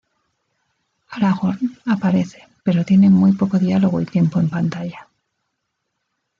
Aragorn aparece pero tiene muy poco diálogo y tiempo en pantalla.